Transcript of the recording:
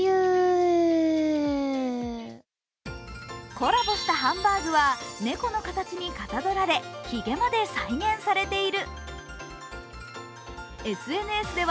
コラボしたハンバーグは猫の形にかたどられひげまで再現されている。